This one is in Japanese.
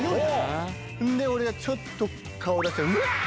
俺がちょっと顔出したらうわ！